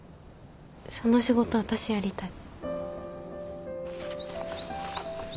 その仕事私やりたい。